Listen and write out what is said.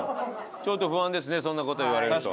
ちょっと不安ですねそんな事言われると。